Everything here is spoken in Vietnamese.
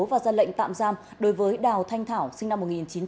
và ra lệnh tạm giam đối với đào thanh thảo sinh năm một nghìn chín trăm tám mươi